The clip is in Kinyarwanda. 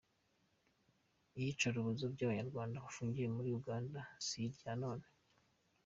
Iyicarubozo ku banyarwanda bafungiye muri Uganda si irya none.